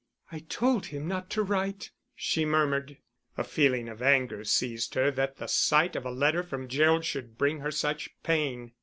"I told him not to write," she murmured. A feeling of anger seized her that the sight of a letter from Gerald should bring her such pain.